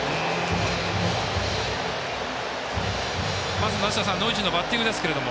まず梨田さんノイジーのバッティングですけど。